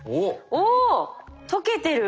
お解けてる？